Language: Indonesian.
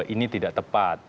ini tidak tepat